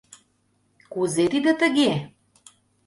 «Кузе тиде тыге?